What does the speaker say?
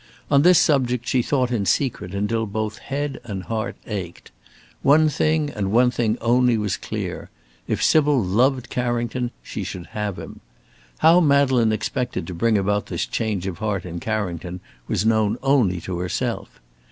On this subject she thought in secret until both head and heart ached. One thing and one thing only was clear: if Sybil loved Carrington, she should have him. How Madeleine expected to bring about this change of heart in Carrington, was known only to herself.